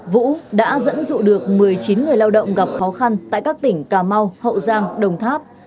vũ đã dẫn dụ được một mươi chín người lao động gặp khó khăn tại các tỉnh cà mau hậu giang đồng tháp